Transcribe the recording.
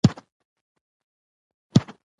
سبزي ګولور د بدن لپاره پوره غذايي مواد لري.